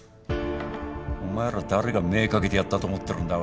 お前ら誰が目かけてやったと思ってるんだ？